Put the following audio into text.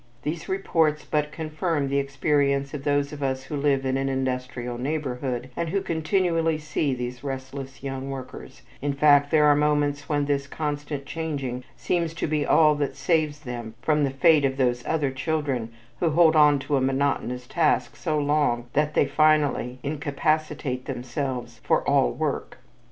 These reports but confirm the experience of those of us who live in an industrial neighborhood and who continually see these restless young workers, in fact there are moments when this constant changing seems to be all that saves them from the fate of those other children who hold on to a monotonous task so long that they finally incapacitate themselves for all work.